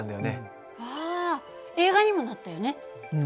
あ映画にもなったよね。